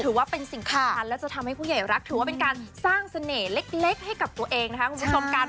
ถือว่าเป็นสิ่งที่จะทำให้ผู้ใหญ่รักถือว่าเป็นการสร้างเสน่ห์เล็กให้กับตัวเองนะคะ